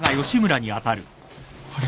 あれ？